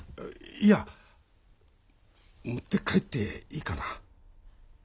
いや持って帰っていいかな？